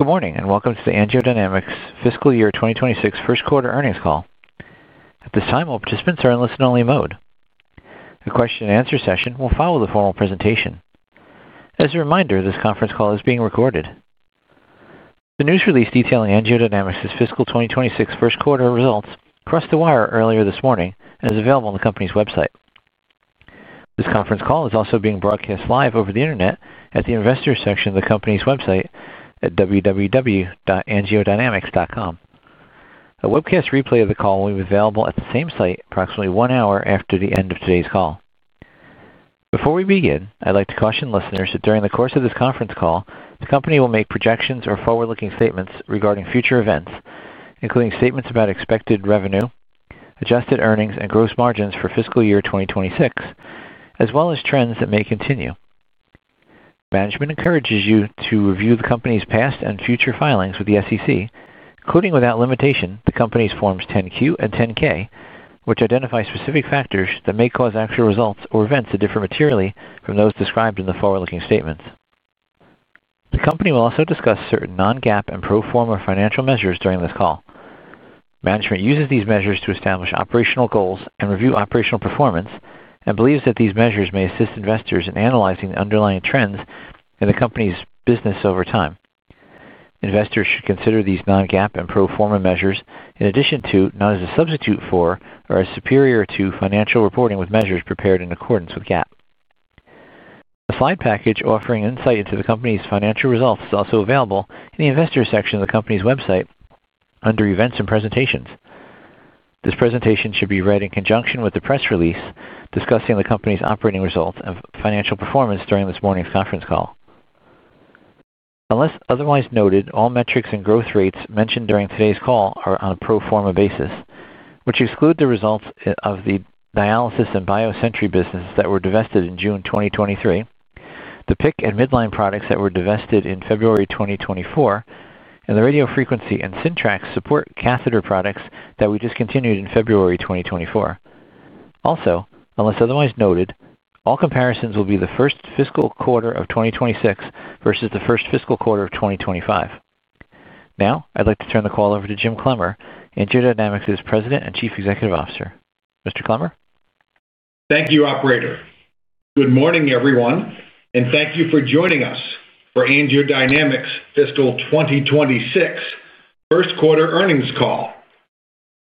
Good morning and welcome to the AngioDynamics Fiscal Year 2026 First Quarter Earnings Call. At this time, all participants are in listen-only mode. The question and answer session will follow the formal presentation. As a reminder, this conference call is being recorded. The news release detailing AngioDynamics' fiscal 2026 first quarter results crossed the wire earlier this morning and is available on the company's website. This conference call is also being broadcast live over the internet at the investors' section of the company's website at www.angiodynamics.com. A webcast replay of the call will be available at the same site approximately one hour after the end of today's call. Before we begin, I'd like to caution listeners that during the course of this conference call, the company will make projections or forward-looking statements regarding future events, including statements about expected revenue, adjusted earnings, and gross margins for fiscal year 2026, as well as trends that may continue. Management encourages you to review the company's past and future filings with the SEC, including without limitation the company's forms 10-Q and 10-K, which identify specific factors that may cause actual results or events to differ materially from those described in the forward-looking statements. The company will also discuss certain non-GAAP and pro forma financial measures during this call. Management uses these measures to establish operational goals and review operational performance and believes that these measures may assist investors in analyzing the underlying trends in the company's business over time. Investors should consider these non-GAAP and pro forma measures in addition to, not as a substitute for, or as superior to, financial reporting with measures prepared in accordance with GAAP. A slide package offering insight into the company's financial results is also available in the investors' section of the company's website under events and presentations. This presentation should be read in conjunction with the press release discussing the company's operating results and financial performance during this morning's conference call. Unless otherwise noted, all metrics and growth rates mentioned during today's call are on a pro forma basis, which exclude the results of the dialysis and BioSentry businesses that were divested in June 2023, the PIC and midline products that were divested in February 2024, and the radiofrequency and Syntrax support catheter products that we discontinued in February 2024. Also, unless otherwise noted, all comparisons will be the first fiscal quarter of 2026 versus the first fiscal quarter of 2025. Now, I'd like to turn the call over to Jim Clemmer, AngioDynamics' President and Chief Executive Officer. Mr. Clemmer? Thank you, Operator. Good morning, everyone, and thank you for joining us for AngioDynamics' fiscal 2026 first quarter earnings call.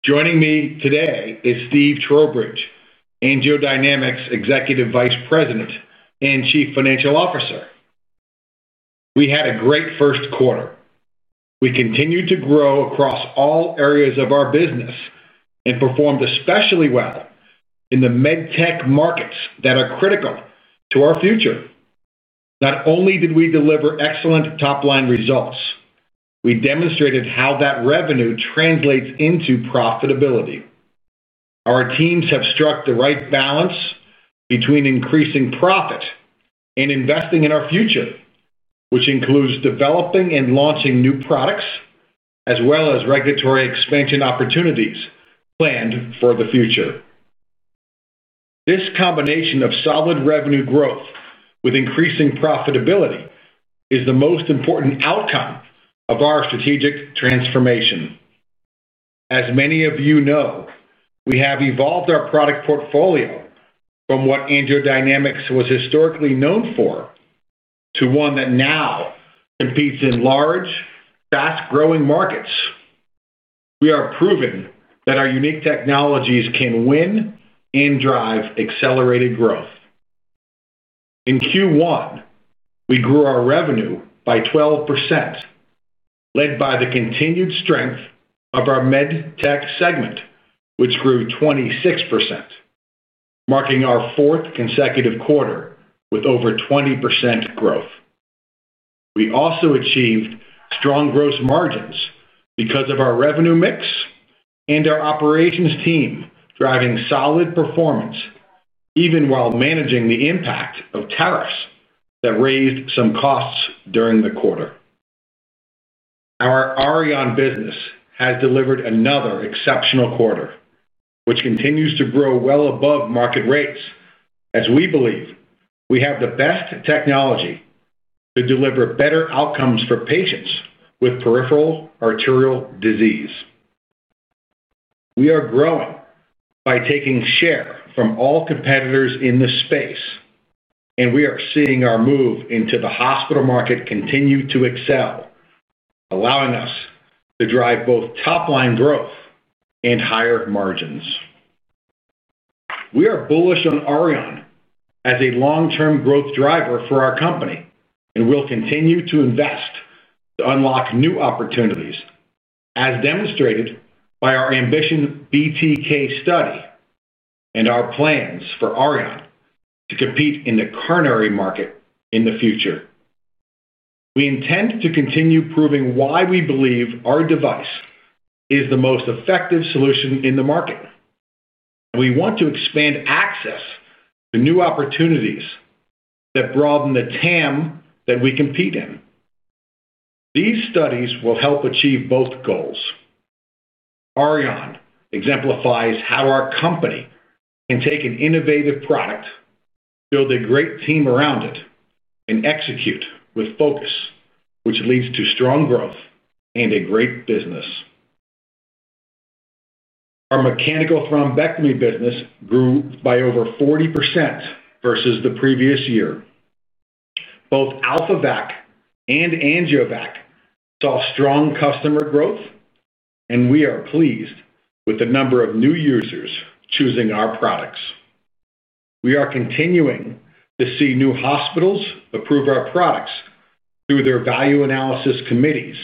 Joining me today is Steve Trowbridge, AngioDynamics' Executive Vice President and Chief Financial Officer. We had a great first quarter. We continued to grow across all areas of our business and performed especially well in the med-tech markets that are critical to our future. Not only did we deliver excellent top-line results, we demonstrated how that revenue translates into profitability. Our teams have struck the right balance between increasing profit and investing in our future, which includes developing and launching new products, as well as regulatory expansion opportunities planned for the future. This combination of solid revenue growth with increasing profitability is the most important outcome of our strategic transformation. As many of you know, we have evolved our product portfolio from what AngioDynamics was historically known for to one that now competes in large, fast-growing markets. We have proven that our unique technologies can win and drive accelerated growth. In Q1, we grew our revenue by 12%, led by the continued strength of our med-tech segment, which grew 26%, marking our fourth consecutive quarter with over 20% growth. We also achieved strong gross margins because of our revenue mix and our operations team driving solid performance, even while managing the impact of tariffs that raised some costs during the quarter. Our Auryon business has delivered another exceptional quarter, which continues to grow well above market rates as we believe we have the best technology to deliver better outcomes for patients with peripheral arterial disease. We are growing by taking share from all competitors in the space, and we are seeing our move into the hospital market continue to excel, allowing us to drive both top-line growth and higher margins. We are bullish on Auryon as a long-term growth driver for our company, and we'll continue to invest to unlock new opportunities, as demonstrated by our Ambition BTK study and our plans for Auryon to compete in the coronary market in the future. We intend to continue proving why we believe our device is the most effective solution in the market, and we want to expand access to new opportunities that broaden the TAM that we compete in. These studies will help achieve both goals. Auryon exemplifies how our company can take an innovative product, build a great team around it, and execute with focus, which leads to strong growth and a great business. Our mechanical thrombectomy business grew by over 40% versus the previous year. Both AlphaVac and AngioVac saw strong customer growth, and we are pleased with the number of new users choosing our products. We are continuing to see new hospitals approve our products through their value analysis committees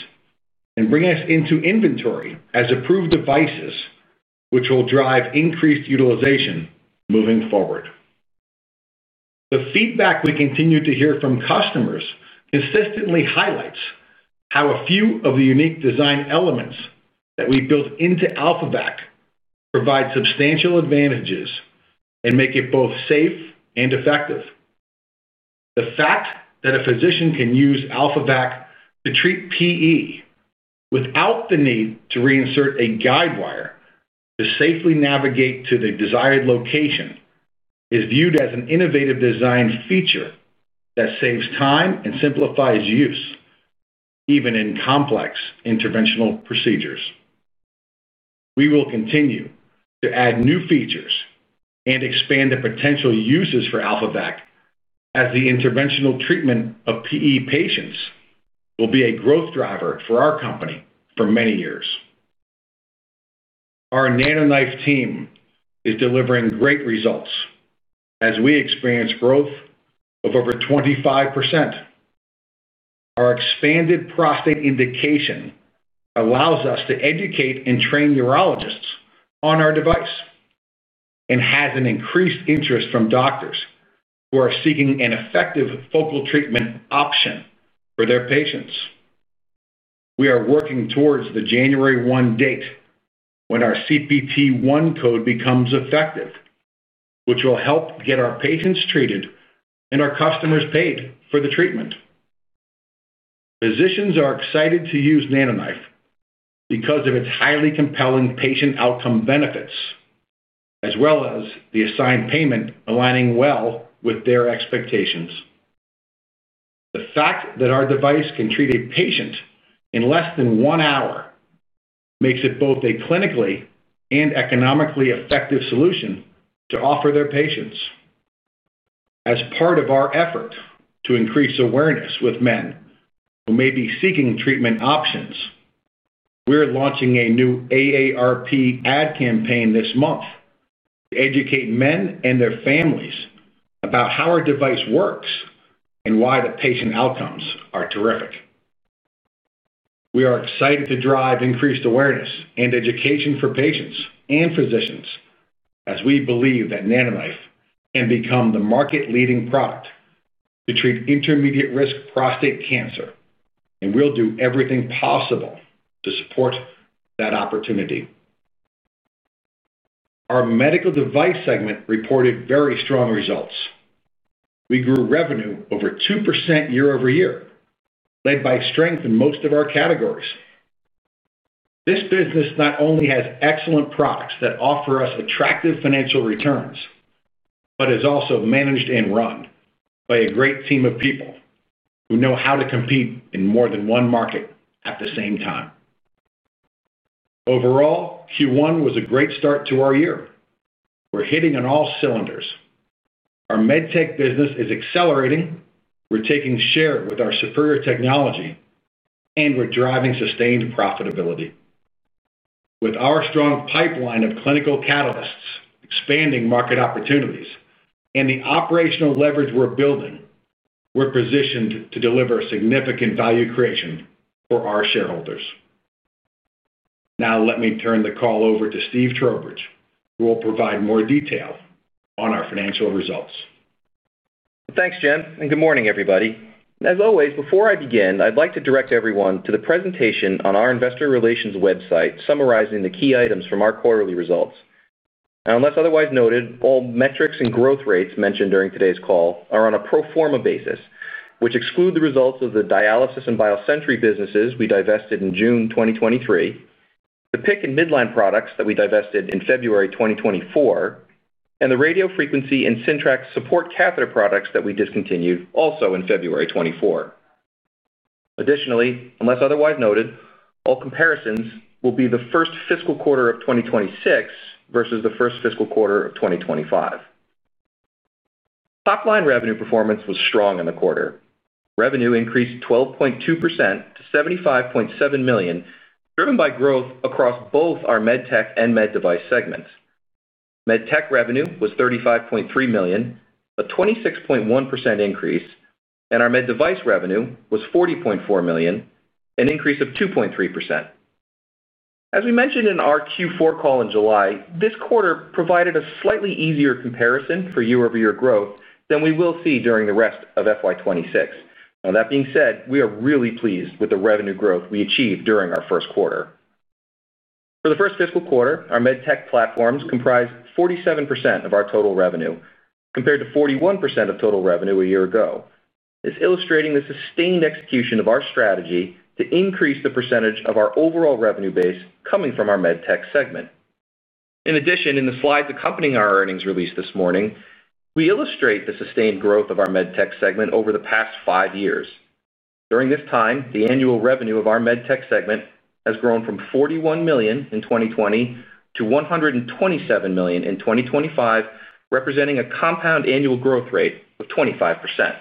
and bring us into inventory as approved devices, which will drive increased utilization moving forward. The feedback we continue to hear from customers consistently highlights how a few of the unique design elements that we built into AlphaVac provide substantial advantages and make it both safe and effective. The fact that a physician can use AlphaVac to treat PE without the need to reinsert a guidewire to safely navigate to the desired location is viewed as an innovative design feature that saves time and simplifies use, even in complex interventional procedures. We will continue to add new features and expand the potential uses for AlphaVac as the interventional treatment of PE patients will be a growth driver for our company for many years. Our NanoKnife team is delivering great results as we experience growth of over 25%. Our expanded prostate indication allows us to educate and train urologists on our device and has an increased interest from doctors who are seeking an effective focal treatment option for their patients. We are working towards the January 1 date when our CPT-1 code becomes effective, which will help get our patients treated and our customers paid for the treatment. Physicians are excited to use NanoKnife because of its highly compelling patient outcome benefits, as well as the assigned payment aligning well with their expectations. The thought that our device can treat a patient in less than one hour makes it both a clinically and economically effective solution to offer their patients. As part of our effort to increase awareness with men who may be seeking treatment options, we're launching a new AARP ad campaign this month to educate men and their families about how our device works and why the patient outcomes are terrific. We are excited to drive increased awareness and education for patients and physicians as we believe that NanoKnife can become the market-leading product to treat intermediate-risk prostate cancer, and we'll do everything possible to support that opportunity. Our medical device segment reported very strong results. We grew revenue over 2% year-over-year, led by strength in most of our categories. This business not only has excellent products that offer us attractive financial returns, but is also managed and run by a great team of people who know how to compete in more than one market at the same time. Overall, Q1 was a great start to our year. We're hitting on all cylinders. Our med-tech business is accelerating. We're taking share with our superior technology, and we're driving sustained profitability. With our strong pipeline of clinical catalysts, expanding market opportunities, and the operational leverage we're building, we're positioned to deliver significant value creation for our shareholders. Now, let me turn the call over to Steve Trowbridge, who will provide more detail on our financial results. Thanks, Jim, and good morning, everybody. As always, before I begin, I'd like to direct everyone to the presentation on our investor relations website summarizing the key items from our quarterly results. Unless otherwise noted, all metrics and growth rates mentioned during today's call are on a pro forma basis, which exclude the results of the dialysis and BioSentry businesses we divested in June 2023, the PICC and midline products that we divested in February 2024, and the radiofrequency and Syntrax support catheter products that we discontinued also in February 2024. Additionally, unless otherwise noted, all comparisons will be the first fiscal quarter of 2026 versus the first fiscal quarter of 2025. Top-line revenue performance was strong in the quarter. Revenue increased 12.2% to $75.7 million, driven by growth across both our med-tech and med-device segments. Med-tech revenue was $35.3 million, a 26.1% increase, and our med-device revenue was $40.4 million, an increase of 2.3%. As we mentioned in our Q4 call in July, this quarter provided a slightly easier comparison for year-over-year growth than we will see during the rest of FY26. That being said, we are really pleased with the revenue growth we achieved during our first quarter. For the first fiscal quarter, our med-tech platforms comprised 47% of our total revenue, compared to 41% of total revenue a year ago. This is illustrating the sustained execution of our strategy to increase the percentage of our overall revenue base coming from our med-tech segment. In addition, in the slides accompanying our earnings release this morning, we illustrate the sustained growth of our med-tech segment over the past five years. During this time, the annual revenue of our med-tech segment has grown from $41 million in 2020 to $127 million in 2025, representing a compound annual growth rate of 25%.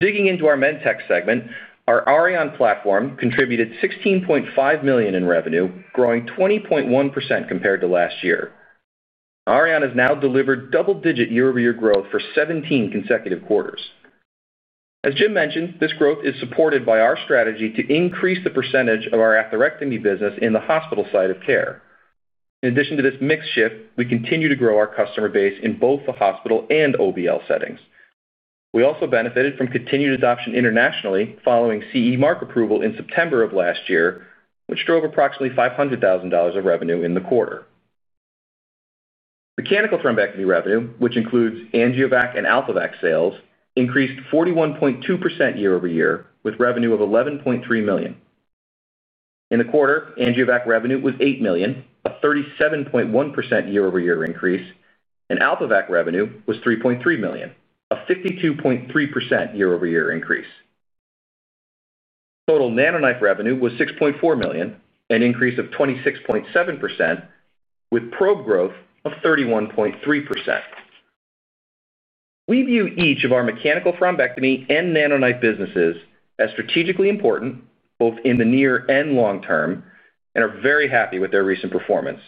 Digging into our med-tech segment, our Auryon platform contributed $16.5 million in revenue, growing 20.1% compared to last year. Auryon has now delivered double-digit year-over-year growth for 17 consecutive quarters. As Jim mentioned, this growth is supported by our strategy to increase the percentage of our atherectomy business in the hospital side of care. In addition to this mix shift, we continue to grow our customer base in both the hospital and OBL settings. We also benefited from continued adoption internationally following CE mark approval in September of last year, which drove approximately $500,000 of revenue in the quarter. Mechanical thrombectomy revenue, which includes AngioVac and AlphaVac sales, increased 41.2% year-over-year with revenue of $11.3 million. In the quarter, AngioVac revenue was $8 million, a 37.1% year-over-year increase, and AlphaVac revenue was $3.3 million, a 52.3% year-over-year increase. Total NanoKnife revenue was $6.4 million, an increase of 26.7% with probe growth of 31.3%. We view each of our mechanical thrombectomy and NanoKnife businesses as strategically important both in the near and long term and are very happy with their recent performance.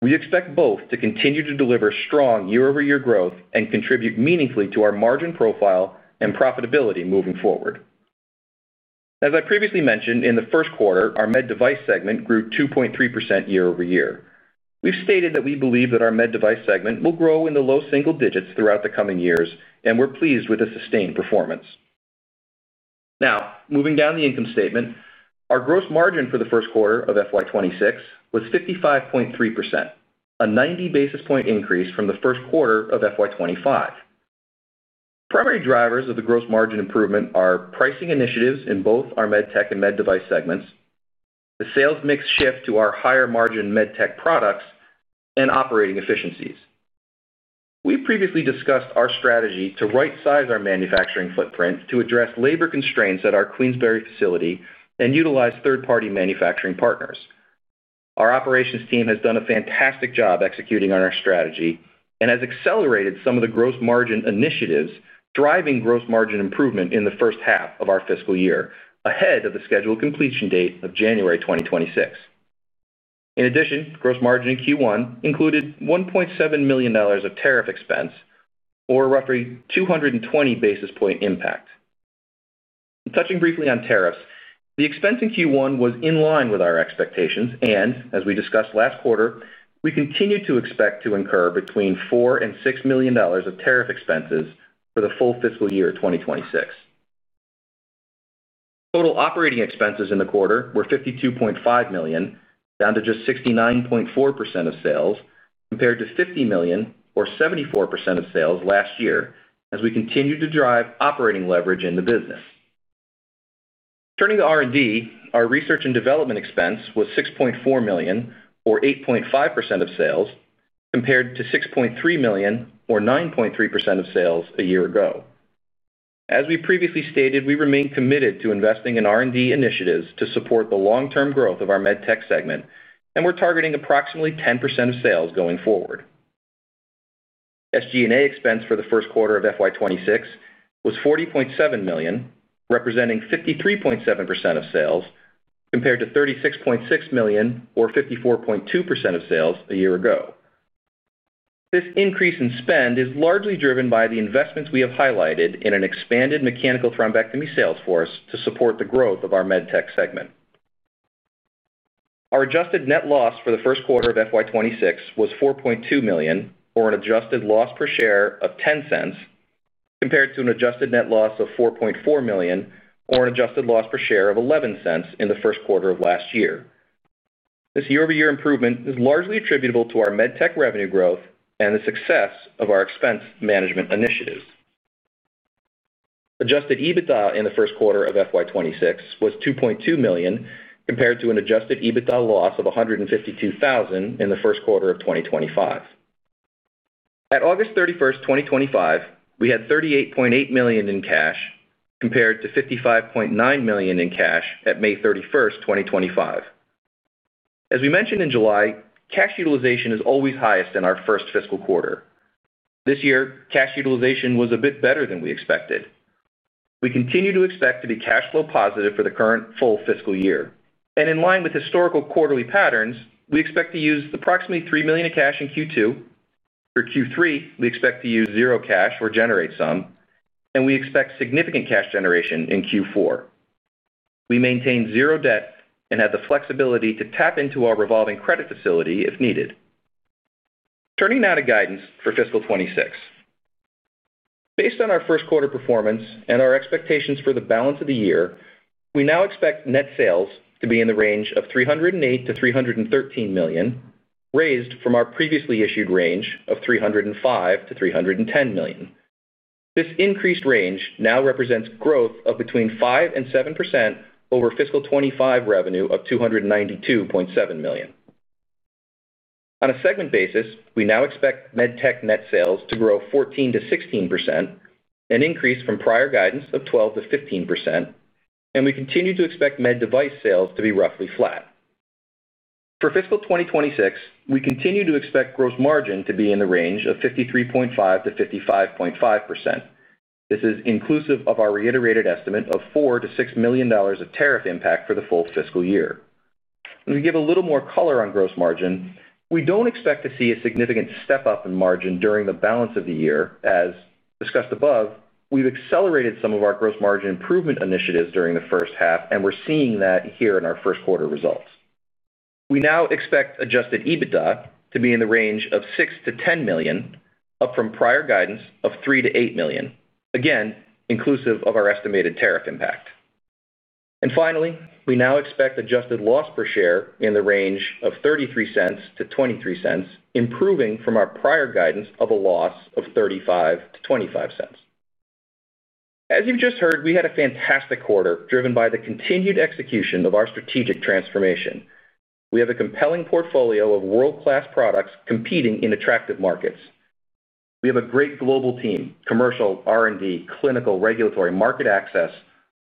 We expect both to continue to deliver strong year-over-year growth and contribute meaningfully to our margin profile and profitability moving forward. As I previously mentioned, in the first quarter, our med-tech segment grew 2.3% year-over-year. We've stated that we believe that our med-tech segment will grow in the low single digits throughout the coming years, and we're pleased with the sustained performance. Now, moving down the income statement, our gross margin for the first quarter of FY26 was 55.3%, a 90 basis point increase from the first quarter of FY25. Primary drivers of the gross margin improvement are pricing initiatives in both our med-tech and med-device segments, the sales mix shift to our higher margin med-tech products, and operating efficiencies. We previously discussed our strategy to right-size our manufacturing footprint to address labor constraints at our Queensbury facility and utilize third-party manufacturing partners. Our operations team has done a fantastic job executing on our strategy and has accelerated some of the gross margin initiatives, driving gross margin improvement in the first half of our fiscal year, ahead of the scheduled completion date of January 2026. In addition, gross margin in Q1 included $1.7 million of tariff expense, or roughly 220 basis point impact. Touching briefly on tariffs, the expense in Q1 was in line with our expectations and, as we discussed last quarter, we continue to expect to incur between $4 and $6 million of tariff expenses for the full fiscal year 2026. Total operating expenses in the quarter were $52.5 million, down to just 69.4% of sales, compared to $50 million or 74% of sales last year, as we continue to drive operating leverage in the business. Turning to R&D, our research and development expense was $6.4 million or 8.5% of sales, compared to $6.3 million or 9.3% of sales a year ago. As we previously stated, we remain committed to investing in R&D initiatives to support the long-term growth of our med-tech segment, and we're targeting approximately 10% of sales going forward. SG&A expense for the first quarter of FY2026 was $40.7 million, representing 53.7% of sales, compared to $36.6 million or 54.2% of sales a year ago. This increase in spend is largely driven by the investments we have highlighted in an expanded mechanical thrombectomy sales force to support the growth of our med-tech segment. Our adjusted net loss for the first quarter of FY2026 was $4.2 million, or an adjusted loss per share of $0.10, compared to an adjusted net loss of $4.4 million, or an adjusted loss per share of $0.11 in the first quarter of last year. This year-over-year improvement is largely attributable to our med-tech revenue growth and the success of our expense management initiatives. Adjusted EBITDA in the first quarter of FY2026 was $2.2 million, compared to an adjusted EBITDA loss of $152,000 in the first quarter of 2025. At August 31, 2025, we had $38.8 million in cash, compared to $55.9 million in cash at May 31, 2025. As we mentioned in July, cash utilization is always highest in our first fiscal quarter. This year, cash utilization was a bit better than we expected. We continue to expect to be cash flow positive for the current full fiscal year. In line with historical quarterly patterns, we expect to use approximately $3 million in cash in Q2. For Q3, we expect to use zero cash or generate some, and we expect significant cash generation in Q4. We maintain zero debt and have the flexibility to tap into our revolving credit facility if needed. Turning now to guidance for fiscal 2026. Based on our first quarter performance and our expectations for the balance of the year, we now expect net sales to be in the range of $308 million-$313 million, raised from our previously issued range of $305 million-$310 million. This increased range now represents growth of between 5% and 7% over fiscal 2025 revenue of $292.7 million. On a segment basis, we now expect med-tech net sales to grow 14%-16%, an increase from prior guidance of 12%-15%, and we continue to expect med-device sales to be roughly flat. For fiscal 2026, we continue to expect gross margin to be in the range of 53.5%-55.5%. This is inclusive of our reiterated estimate of $4 million-$6 million of tariff impact for the full fiscal year. We give a little more color on gross margin. We don't expect to see a significant step up in margin during the balance of the year. As discussed above, we've accelerated some of our gross margin improvement initiatives during the first half, and we're seeing that here in our first quarter results. We now expect adjusted EBITDA to be in the range of $6 million-$10 million, up from prior guidance of $3 million-$8 million, again inclusive of our estimated tariff impact. Finally, we now expect adjusted loss per share in the range of $0.33-$0.23, improving from our prior guidance of a loss of $0.35-$0.25. As you've just heard, we had a fantastic quarter driven by the continued execution of our strategic transformation. We have a compelling portfolio of world-class products competing in attractive markets. We have a great global team, commercial, R&D, clinical, regulatory, market access,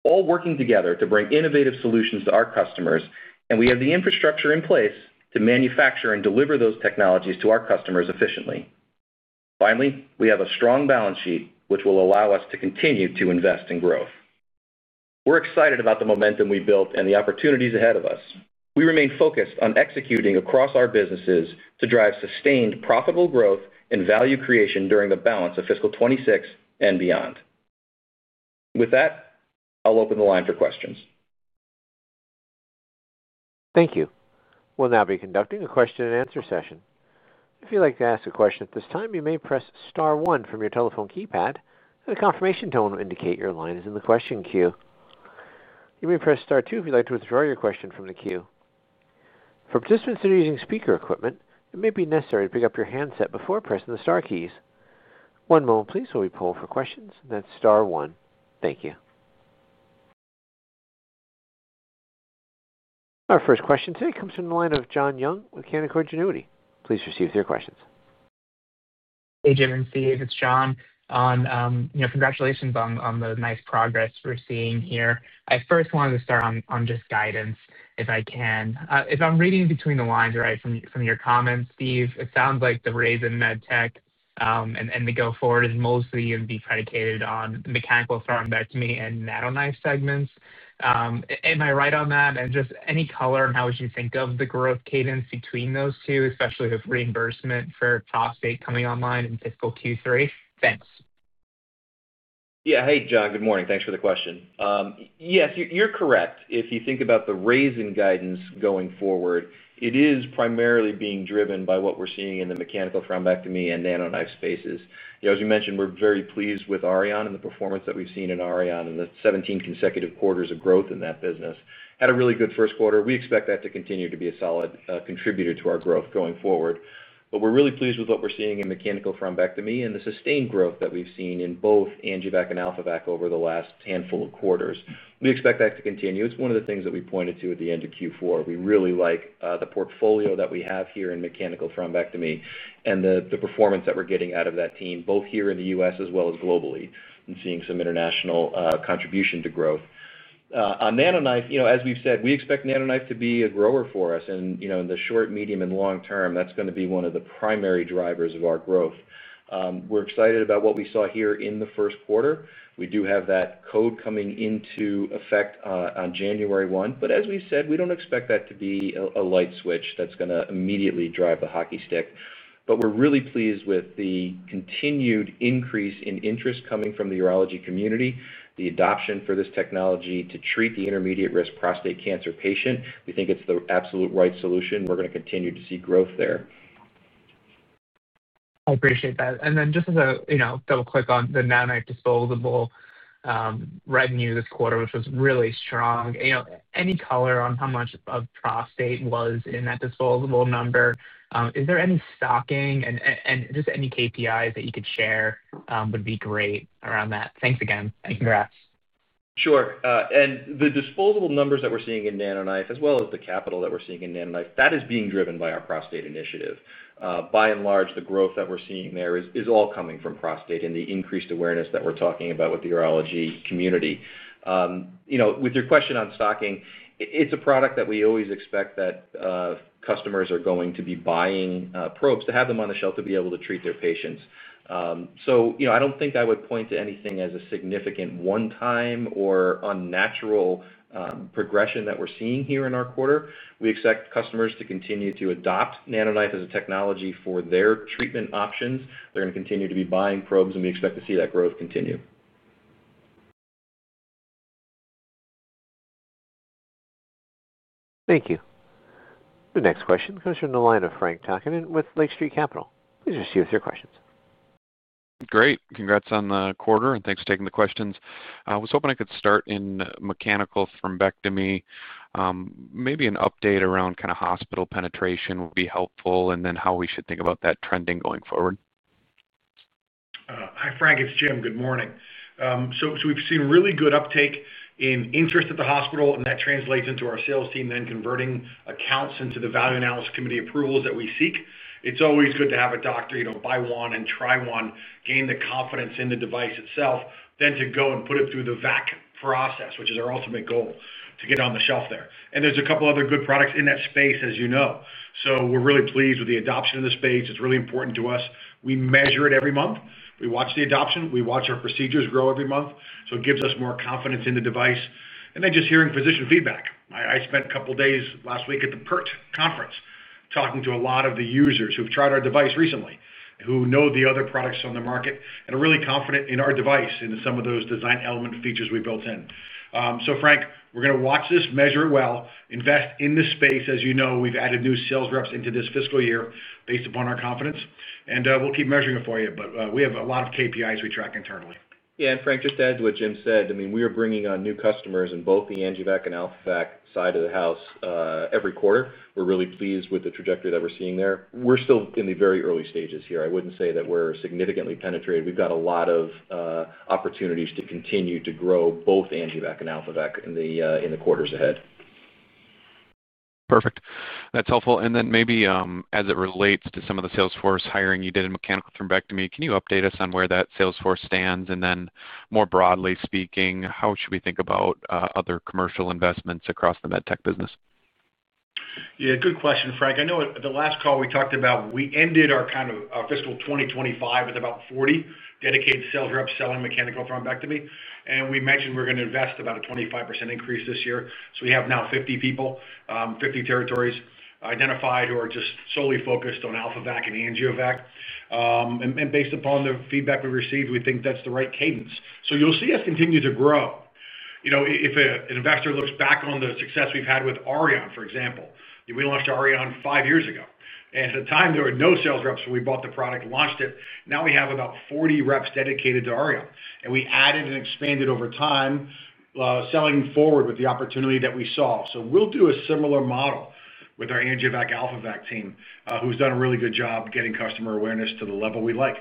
all working together to bring innovative solutions to our customers, and we have the infrastructure in place to manufacture and deliver those technologies to our customers efficiently. Finally, we have a strong balance sheet, which will allow us to continue to invest in growth. We're excited about the momentum we built and the opportunities ahead of us. We remain focused on executing across our businesses to drive sustained profitable growth and value creation during the balance of fiscal 2026 and beyond. With that, I'll open the line for questions. Thank you. We'll now be conducting a question and answer session. If you'd like to ask a question at this time, you may press star one from your telephone keypad, and the confirmation tone will indicate your line is in the question queue. You may press star two if you'd like to withdraw your question from the queue. For participants that are using speaker equipment, it may be necessary to pick up your handset before pressing the star keys. One moment, please, we'll be polled for questions, and that's star one. Thank you. Our first question today comes from the line of Jon Young with Canaccord Genuity Corp. Please proceed with your questions. Hey, Jim. And Steve, it's John. Congratulations on the nice progress we're seeing here. I first wanted to start on just guidance, if I can. If I'm reading between the lines right from your comments, Steve, it sounds like the raise in med-tech and the go forward is mostly going to be predicated on the mechanical thrombectomy and NanoKnife segments. Am I right on that? Any color on how you would think of the growth cadence between those two, especially with reimbursement for prostate coming online in fiscal Q3? Thanks. Yeah. Hey, John. Good morning. Thanks for the question. Yes, you're correct. If you think about the raise in guidance going forward, it is primarily being driven by what we're seeing in the mechanical thrombectomy and NanoKnife spaces. As you mentioned, we're very pleased with Auryon and the performance that we've seen in Auryon in the 17 consecutive quarters of growth in that business. Had a really good first quarter. We expect that to continue to be a solid contributor to our growth going forward. We're really pleased with what we're seeing in mechanical thrombectomy and the sustained growth that we've seen in both AngioVac and AlphaVac over the last handful of quarters. We expect that to continue. It's one of the things that we pointed to at the end of Q4. We really like the portfolio that we have here in mechanical thrombectomy and the performance that we're getting out of that team, both here in the U.S. as well as globally, and seeing some international contribution to growth. On NanoKnife, as we've said, we expect NanoKnife to be a grower for us. In the short, medium, and long term, that's going to be one of the primary drivers of our growth. We're excited about what we saw here in the first quarter. We do have that code coming into effect on January 1. As we said, we don't expect that to be a light switch that's going to immediately drive the hockey stick. We're really pleased with the continued increase in interest coming from the urology community, the adoption for this technology to treat the intermediate-risk prostate cancer patient. We think it's the absolute right solution. We're going to continue to see growth there. I appreciate that. Just to go quick on the NanoKnife disposable revenue this quarter, which was really strong, any color on how much of prostate was in that disposable number? Is there any stocking, and just any KPIs that you could share would be great around that? Thanks again, and congrats. Sure. The disposable numbers that we're seeing in NanoKnife, as well as the capital that we're seeing in NanoKnife, that is being driven by our prostate initiative. By and large, the growth that we're seeing there is all coming from prostate and the increased awareness that we're talking about with the urology community. With your question on stocking, it's a product that we always expect that customers are going to be buying probes to have them on the shelf to be able to treat their patients. I don't think I would point to anything as a significant one-time or unnatural progression that we're seeing here in our quarter. We expect customers to continue to adopt NanoKnife as a technology for their treatment options. They're going to continue to be buying probes, and we expect to see that growth continue. Thank you. The next question comes from the line of Frank Takkinen with Lake Street Capital. Please proceed with your questions. Great. Congrats on the quarter and thanks for taking the questions. I was hoping I could start in mechanical thrombectomy. Maybe an update around kind of hospital penetration would be helpful, and then how we should think about that trending going forward. Hi, Frank. It's Jim. Good morning. We've seen really good uptake in interest at the hospital, and that translates into our sales team then converting accounts into the value analysis committee approvals that we seek. It's always good to have a doctor, you know, buy one and try one, gain the confidence in the device itself, then to go and put it through the VAC process, which is our ultimate goal, to get it on the shelf there. There are a couple of other good products in that space, as you know. We're really pleased with the adoption in the space. It's really important to us. We measure it every month. We watch the adoption. We watch our procedures grow every month. It gives us more confidence in the device. Just hearing physician feedback, I spent a couple of days last week at the PERT conference talking to a lot of the users who've tried our device recently, who know the other products on the market, and are really confident in our device and some of those design element features we built in. Frank, we're going to watch this, measure it well, invest in this space. As you know, we've added new sales reps into this fiscal year based upon our confidence. We'll keep measuring it for you. We have a lot of KPIs we track internally. Yeah, just to add to what Jim said, we are bringing on new customers in both the AngioVac and AlphaVac side of the house every quarter. We're really pleased with the trajectory that we're seeing there. We're still in the very early stages here. I wouldn't say that we're significantly penetrated. We've got a lot of opportunities to continue to grow both AngioVac and AlphaVac in the quarters ahead. Perfect. That's helpful. Maybe as it relates to some of the sales force hiring you did in mechanical thrombectomy, can you update us on where that sales force stands? More broadly speaking, how should we think about other commercial investments across the med-tech business? Yeah, good question, Frank. I know the last call we talked about, we ended our kind of fiscal 2025 with about 40 dedicated sales reps selling mechanical thrombectomy. We mentioned we're going to invest about a 25% increase this year. We have now 50 people, 50 territories identified who are just solely focused on AlphaVac and AngioVac. Based upon the feedback we received, we think that's the right cadence. You'll see us continue to grow. If an investor looks back on the success we've had with Auryon, for example, we launched Auryon five years ago. At the time, there were no sales reps, so we bought the product, launched it. Now we have about 40 reps dedicated to Auryon. We added and expanded over time, selling forward with the opportunity that we saw. We'll do a similar model with our AngioVac, AlphaVac team, who's done a really good job getting customer awareness to the level we like.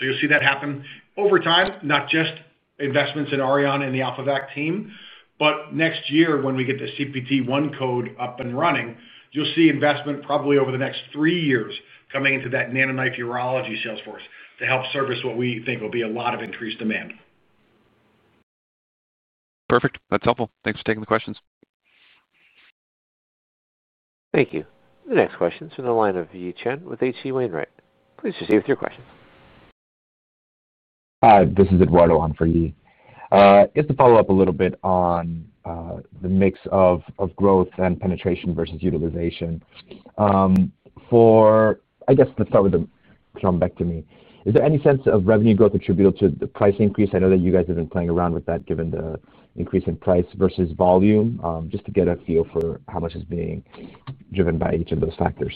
You'll see that happen over time, not just investments in Auryon and the AlphaVac team, but next year when we get the CPT-1 code up and running, you'll see investment probably over the next three years coming into that NanoKnife urology sales force to help service what we think will be a lot of increased demand. Perfect. That's helpful. Thanks for taking the questions. Thank you. The next question is from the line of Yi Chen with H.C. Wainwright & Co. Please receive your questions. Hi. This is Eduardo Han for Yi. Just to follow up a little bit on the mix of growth and penetration versus utilization for, I guess, the thrombectomy, is there any sense of revenue growth attributable to the price increase? I know that you guys have been playing around with that given the increase in price versus volume, just to get a feel for how much is being driven by each of those factors.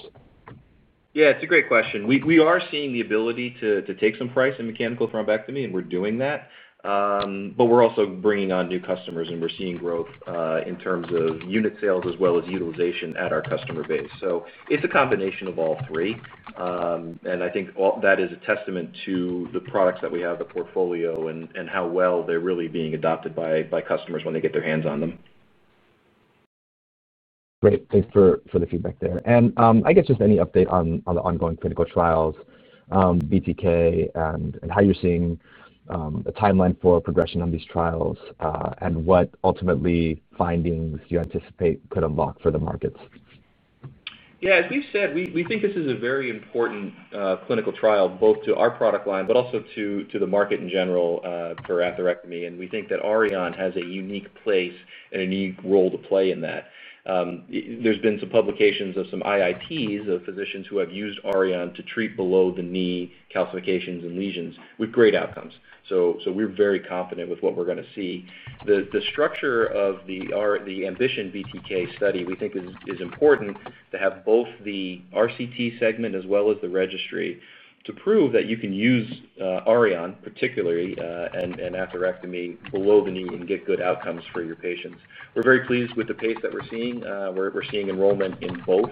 Yeah, it's a great question. We are seeing the ability to take some price in mechanical thrombectomy, and we're doing that. We're also bringing on new customers, and we're seeing growth in terms of unit sales as well as utilization at our customer base. It is a combination of all three. I think that is a testament to the products that we have, the portfolio, and how well they're really being adopted by customers when they get their hands on them. Great. Thanks for the feedback there. I guess just any update on the ongoing clinical trials, Ambition BTK, and how you're seeing the timeline for progression on these trials and what ultimately findings you anticipate could unlock for the markets. Yeah, as we've said, we think this is a very important clinical trial both to our product line, but also to the market in general for atherectomy. We think that Auryon has a unique place and a unique role to play in that. There have been some publications of some IITs, of physicians who have used Auryon to treat below-the-knee calcifications and lesions with great outcomes. We're very confident with what we're going to see. The structure of the Ambition BTK study, we think, is important to have both the RCT segment as well as the registry to prove that you can use Auryon particularly in atherectomy below the knee and get good outcomes for your patients. We're very pleased with the pace that we're seeing. We're seeing enrollment in both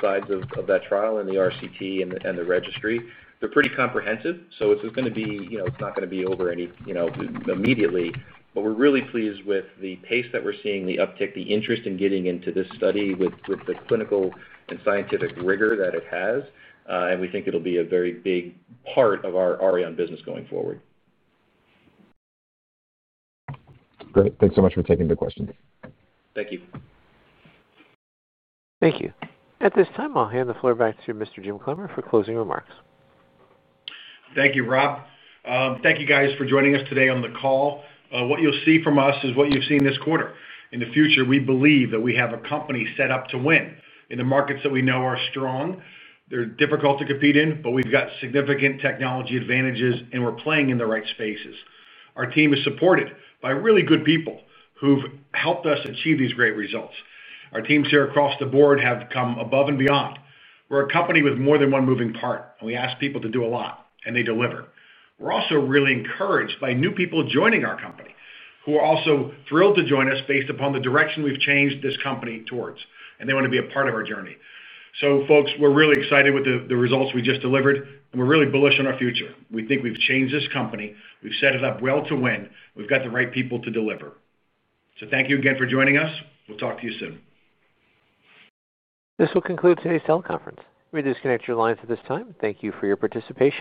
sides of that trial, in the RCT and the registry. They're pretty comprehensive. It's going to be, you know, it's not going to be over any, you know, immediately. We're really pleased with the pace that we're seeing, the uptick, the interest in getting into this study with the clinical and scientific rigor that it has. We think it'll be a very big part of our Auryon business going forward. Great. Thanks so much for taking the questions. Thank you. Thank you. At this time, I'll hand the floor back to Mr. Jim Clemmer for closing remarks. Thank you, Rob. Thank you guys for joining us today on the call. What you'll see from us is what you've seen this quarter. In the future, we believe that we have a company set up to win in the markets that we know are strong. They're difficult to compete in, but we've got significant technology advantages, and we're playing in the right spaces. Our team is supported by really good people who've helped us achieve these great results. Our teams here across the board have come above and beyond. We're a company with more than one moving part, and we ask people to do a lot, and they deliver. We're also really encouraged by new people joining our company who are also thrilled to join us based upon the direction we've changed this company towards, and they want to be a part of our journey. We're really excited with the results we just delivered, and we're really bullish on our future. We think we've changed this company. We've set it up well to win. We've got the right people to deliver. Thank you again for joining us. We'll talk to you soon. This will conclude today's teleconference. We'll disconnect your lines at this time. Thank you for your participation.